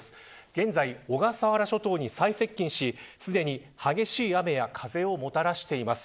現在、小笠原諸島に最接近しすでに激しい雨や風をもたらしています。